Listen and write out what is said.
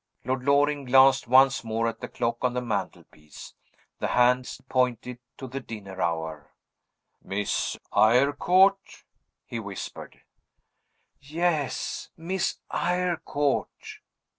Lord Loring glanced once more at the clock on the mantel piece. The hands pointed to the dinner hour. "Miss Eyrecourt?" he whispered. "Yes; Miss Eyrecourt."